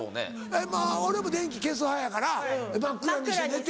まぁ俺も電気消す派やから真っ暗にして寝て。